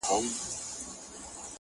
انسان د خپلو افکارو هنداره ده